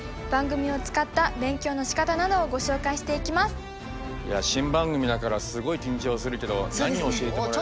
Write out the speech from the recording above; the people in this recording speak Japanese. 今回はいや新番組だからすごい緊張するけど何を教えてもらえるか。